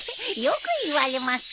よく言われます。